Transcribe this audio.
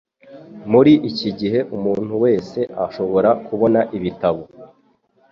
Muri iki gihe, umuntu wese ashobora kubona ibitabo